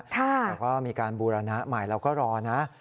แต่ก็มีการบูรณะใหม่เราก็รอนะ